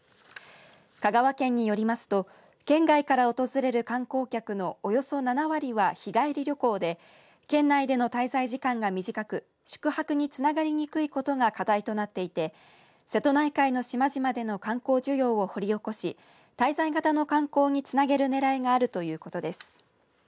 香川県によりますと県外から訪れる観光客のおよそ７割は日帰り旅行で県内での滞在時間が短く宿泊につながりにくいことが課題となっていて瀬戸内海の島々での観光需要を掘り起こし滞在型の観光につなげる狙いがあるということです。